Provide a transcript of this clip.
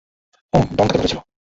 উম, Don তাকে ধরেছিল।